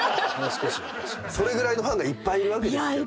それぐらいのファンがいっぱいいるわけですけど。